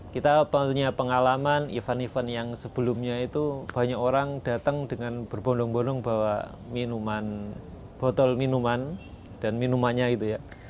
kita punya pengalaman event event yang sebelumnya itu banyak orang datang dengan berbondong bondong bawa minuman botol minuman dan minumannya gitu ya